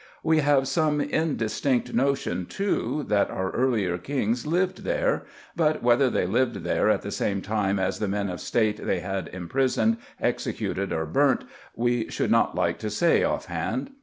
We have some indistinct notion, too, that our earlier kings lived there, but whether they lived there at the same time as the men of State they had imprisoned, executed, or burnt, we should not like to say off hand.